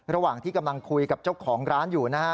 ระหว่างที่กำลังคุยกับเจ้าของร้านอยู่นะฮะ